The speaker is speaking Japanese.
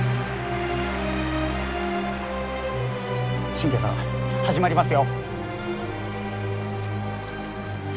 信賢さん始まりますよ。